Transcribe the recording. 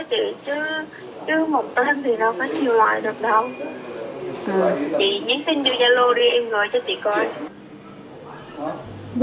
chị nhé xin vô gia lô đi em gửi cho chị coi